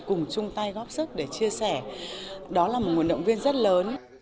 cùng chung tay góp sức để chia sẻ đó là một nguồn động viên rất lớn